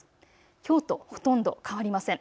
きょうとほとんど変わりません。